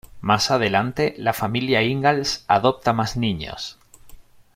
Más adelante, la familia Ingalls adopta más niños.